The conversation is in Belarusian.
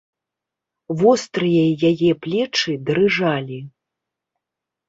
Вострыя яе плечы дрыжалі.